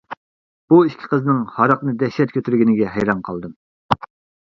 بۇ ئىككى قىزنىڭ ھاراقنى دەھشەت كۆتۈرگىنىگە ھەيران قالدىم.